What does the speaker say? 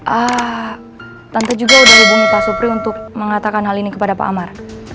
ah tentu juga sudah hubungi pak supri untuk mengatakan hal ini kepada pak amar